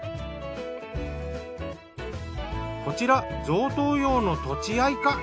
こちら贈答用のとちあいか。